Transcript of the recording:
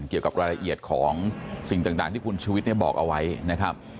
เกี่ยวกับรายละเอียดของสิ่งต่างที่คุณชุวิตบอกเอาไว้นะครับ